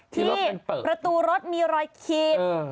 ที่ประตูรถมีรอยขีด